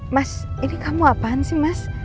mas ini kamu apaan sih mas